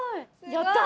やった！